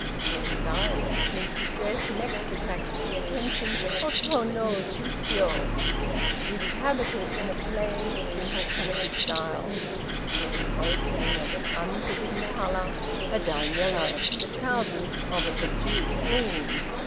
The style of the Prince's dress next attracted the attention of Tô no Chiûjiô. He was habited in a plain, simple country style, the coat being of an unforbidden color, a dull yellow, the trousers of a subdued green.